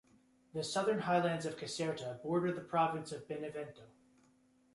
The southern highlands of Caserta border the Province of Benevento.